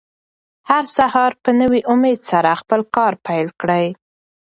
هر سهار په نوي امېد سره خپل کار پیل کړئ.